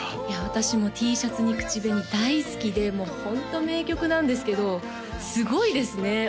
いや私も「Ｔシャツに口紅」大好きでもうホント名曲なんですけどすごいですね